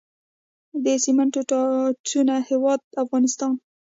د سپینو توتانو هیواد افغانستان.